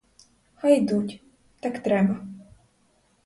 Хай ідуть: так треба.